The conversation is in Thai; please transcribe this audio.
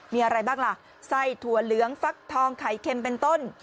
มีอะไรบ้างล่ะไส้ถั่วเหลืองฟักทองไข่เค็มเป็นต้น